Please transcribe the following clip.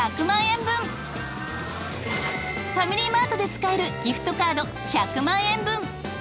ファミリーマートで使えるギフトカード１００万円分。